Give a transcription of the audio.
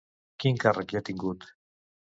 Quin càrrec hi ha tingut?